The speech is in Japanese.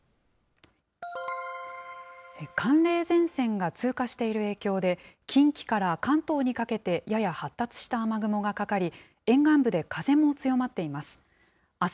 寒冷前線が通過している影響で、近畿から関東にかけて、やや発達した雨雲がかかり、沿岸部で風も強まっています。